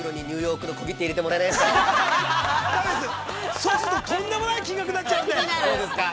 そうすると、とんでもない金額になっちゃうんで。